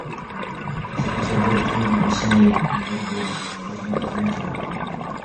당신이 절더러 무슨 근심이 있느냐고 물어 보실 때마다 저는 가슴이 저리는 듯 하였어요.